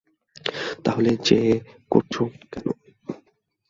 তাহলে যেয়ে করছো কেন?